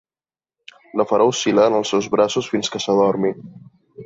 La farà oscil·lar en els seus braços fins que s'adormi.